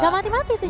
gak mati mati tuh